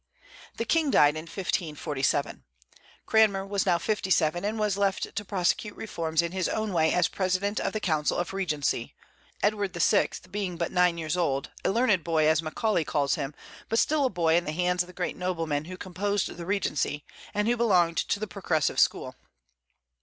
The King died in 1547. Cranmer was now fifty seven, and was left to prosecute reforms in his own way as president of the council of regency, Edward VI. being but nine years old, "a learned boy," as Macaulay calls him, but still a boy in the hands of the great noblemen who composed the regency, and who belonged to the progressive school.